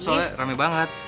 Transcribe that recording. soalnya rame banget